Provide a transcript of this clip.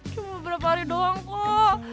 cuma berapa hari doang kok